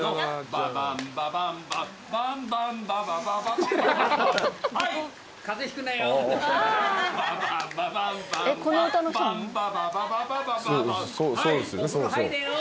「ババンババンバンバンバンバンババババババババン」はい！